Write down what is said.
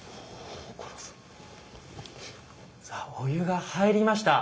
さあお湯が入りました。